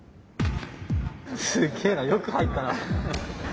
すげえなよく入ったな。